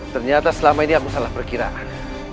ternyata selama ini aku salah perkiraan